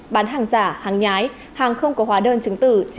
bán hàng giả hàng nhái hàng không có hóa đơn chứng tử